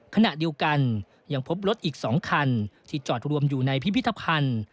ขณะเดียวกันยังพบรถอีก๒คันที่จอดรวมอยู่ในพิพิธภัณฑ์